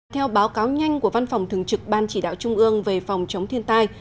theo báo cáo nhanh của văn phòng thường trực ban chỉ đạo trung ương về phòng chống thiên tai